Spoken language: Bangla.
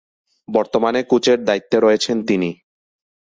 বর্তমানে কোচের দায়িত্বে রয়েছেন তিনি।